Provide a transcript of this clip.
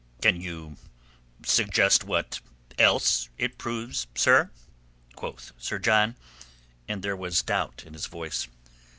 "Can you suggest what else it proves, sir?" quoth Sir John, and there was doubt in his voice.